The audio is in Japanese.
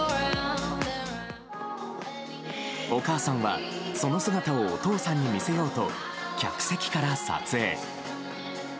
お母さんは、その姿をお父さんに見せようと客席から撮影。